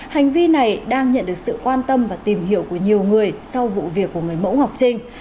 hành vi này đang nhận được sự quan tâm và tìm hiểu của nhiều người sau vụ việc của người mẫu ngọc trinh